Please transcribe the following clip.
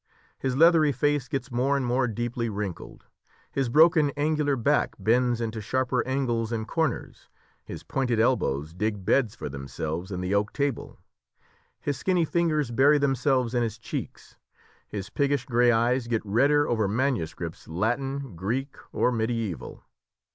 His leathery face gets more and more deeply wrinkled, his broken angular back bends into sharper angles and corners, his pointed elbows dig beds for themselves in the oak table, his skinny fingers bury themselves in his cheeks, his piggish grey eyes get redder over manuscripts, Latin, Greek, or mediaeval.